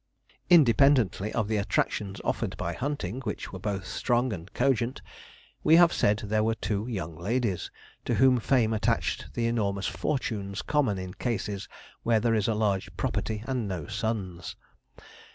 Independently of the attractions offered by hunting, which were both strong and cogent, we have said there were two young ladies, to whom fame attached the enormous fortunes common in cases where there is a large property and no sons.